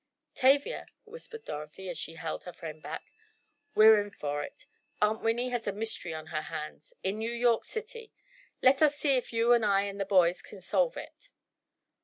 "Tavia," whispered Dorothy, as she held her friend back, "we're in for it! Aunt Winnie has a mystery on her hands! In New York City! Let us see if you and I and the boys can solve it!"